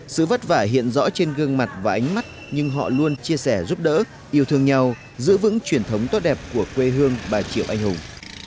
sự vất vả hiện rõ trên gương mặt và ánh mắt nhưng họ luôn chia sẻ giúp đỡ yêu thương nhau giữ vững truyền thống tốt đẹp của quê hương bà triệu anh hùng